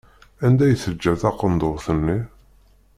Anda i teǧǧa taqenduṛt-nni?